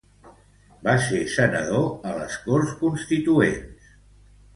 Va ser senador a les Corts Constituents.